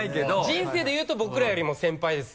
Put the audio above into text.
人生で言うと僕らよりも先輩です。